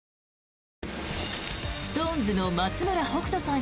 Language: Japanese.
ＳｉｘＴＯＮＥＳの松村北斗さん